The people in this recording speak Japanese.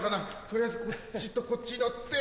取りあえずこっちとこっちに乗って。